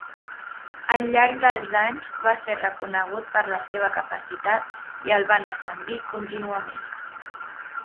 Al llarg dels anys va ser reconegut per la seva capacitat i el van ascendir contínuament.